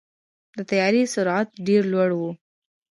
د طیارې سرعت ډېر لوړ وي.